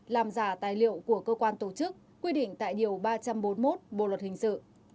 làm giả tài liệu của cơ quan tổ chức quy định tại điều ba trăm bốn mươi một bộ luật hình sự